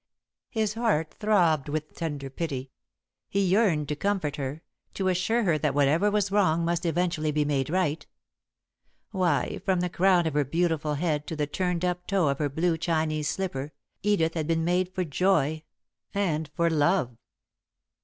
His heart throbbed with tender pity. He yearned to comfort her, to assure her that whatever was wrong must eventually be made right. Why, from the crown of her beautiful head to the turned up toe of her blue Chinese slipper, Edith had been made for joy and for love.